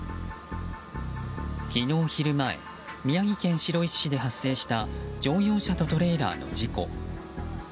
昨日昼前宮城県白石市で発生した乗用車とトレーラーの事故。